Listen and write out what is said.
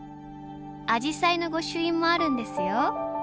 アジサイの御朱印もあるんですよ。